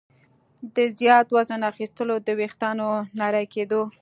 د زیات وزن اخیستلو، د ویښتانو نري کېدو